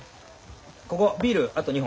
ここビールあと２本。